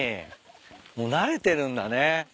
もう慣れてるんだね。